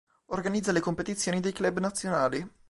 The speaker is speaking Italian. Organizza le competizioni dei club nazionali.